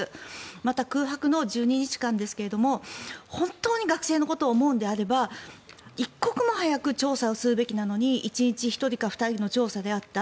また、空白の１２日間ですが本当に学生のことを思うのであれば一刻も早く調査するべきなのに１日１人か２人の調査であった。